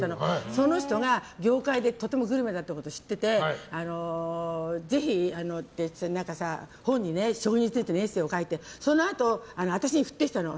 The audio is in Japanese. その人が業界でとてもグルメなことを知っていてぜひ本に食についてのエッセーを書いてそのあと、私に振ってきたの。